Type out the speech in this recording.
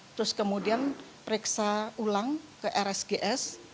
terus kemudian periksa ulang ke rsgs